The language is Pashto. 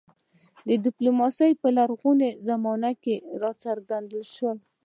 ډیپلوماسي په لرغونې زمانه کې راڅرګنده شوه